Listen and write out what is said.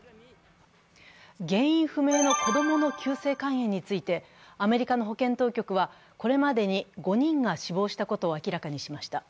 原因不明の子供の急性肝炎について、アメリカの保健当局はこれまでに５人が死亡したことを明らかにしました。